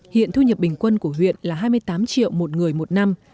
hiện thu nhập bình quân của huyện là hai mươi tám triệu một người một năm